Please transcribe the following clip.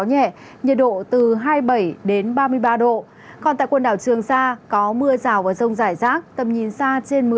nhiệt độ từ hai mươi bảy đến ba mươi ba độ còn tại quần đảo trường sa có mưa rào và rông rải rác tầm nhìn xa trên